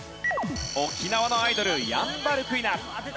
沖縄のアイドルヤンバルクイナ。